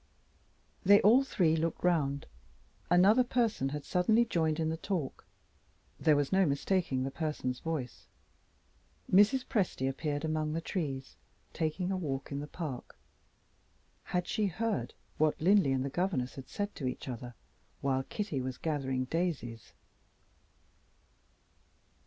They all three looked round. Another person had suddenly joined in the talk. There was no mistaking the person's voice: Mrs. Presty appeared among the trees, taking a walk in the park. Had she heard what Linley and the governess had said to each other while Kitty was gathering daisies?